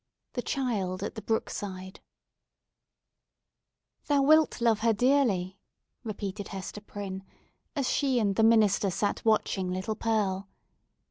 THE CHILD AT THE BROOKSIDE "Thou wilt love her dearly," repeated Hester Prynne, as she and the minister sat watching little Pearl.